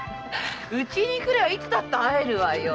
うちに来ればいつだって会えるわよ！